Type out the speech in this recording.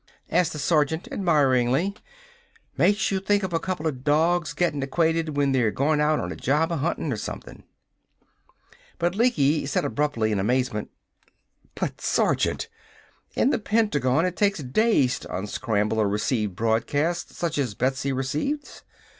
asked the sergeant admiringly. "Makes you think of a coupla dogs gettin' acquainted when they're goin' out on a job of hunting or something." But Lecky said abruptly, in amazement: "But, Sergeant! In the Pentagon it takes days to unscramble a received broadcast such as Betsy receives!